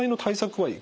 はい。